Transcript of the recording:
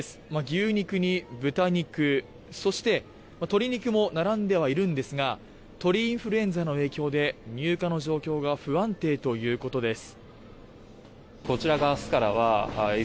牛肉に豚肉、そして鶏肉も並んではいるんですが鳥インフルエンザの影響で入荷の状況が不安定ということです。